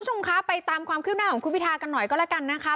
คุณผู้ชมคะไปตามความคืบหน้าของคุณพิทากันหน่อยก็แล้วกันนะคะ